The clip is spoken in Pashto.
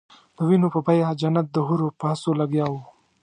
د وینو په بیه جنت د حورو په هڅو لګیا وو.